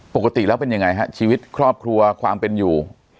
ปกติแล้วเป็นยังไงฮะชีวิตครอบครัวความเป็นอยู่